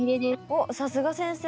おっさすが先生。